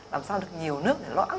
làm sao được nhiều nước để lõ ấm